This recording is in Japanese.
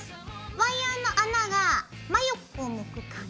ワイヤーの穴が真横を向く感じ。